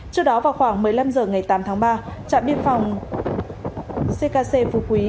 trước đó vào khoảng một mươi năm h ngày tám tháng ba trạm biên phòng ckc phú quý